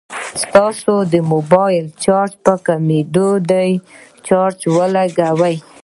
ستاسو د موبايل چارج په کميدو دی ، چارجر ولګوئ